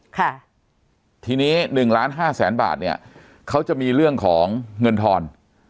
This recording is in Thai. ค่ะทีนี้หนึ่งล้านห้าแสนบาทเนี่ยเขาจะมีเรื่องของเงินทอน